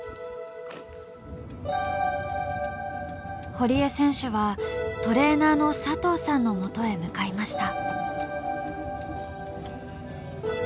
堀江選手はトレーナーの佐藤さんのもとへ向かいました。